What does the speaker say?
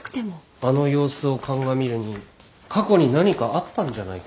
あの様子を鑑みるに過去に何かあったんじゃないか。